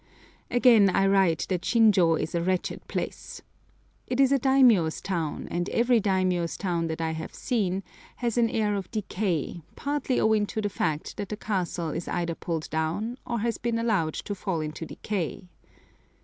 Again I write that Shinjô is a wretched place. It is a daimiyô's town, and every daimiyô's town that I have seen has an air of decay, partly owing to the fact that the castle is either pulled down, or has been allowed to fall into decay.